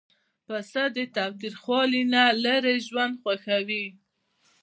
پسه د تاوتریخوالي نه لیرې ژوند خوښوي.